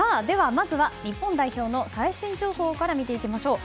まずは、日本代表の最新情報から見ていきましょう。